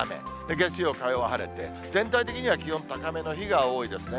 月曜、火曜は晴れて、全体的には気温高めの日が多いですね。